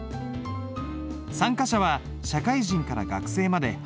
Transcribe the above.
参加者は社会人から学生まで幅広い。